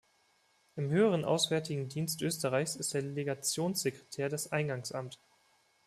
Im höheren auswärtigen Dienst Österreichs ist der Legationssekretär das Eingangsamt.